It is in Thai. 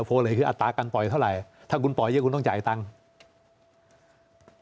เลยคืออัตราการปล่อยเท่าไหร่ถ้าคุณปล่อยเยอะคุณต้องจ่ายตังค์